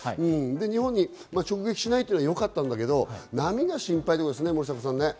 日本を直撃しないというのはよかったんだけど、波が心配ですね、森迫さん。